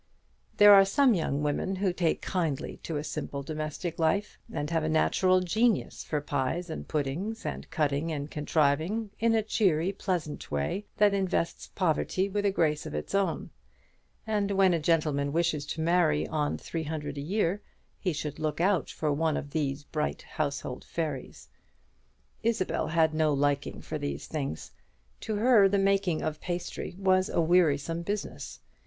There are some young women who take kindly to a simple domestic life, and have a natural genius for pies and puddings, and cutting and contriving, in a cheery, pleasant way, that invests poverty with a grace of its own; and when a gentleman wishes to marry on three hundred a year, he should look out for one of those bright household fairies. Isabel had no liking for these things; to her the making of pastry was a wearisome business.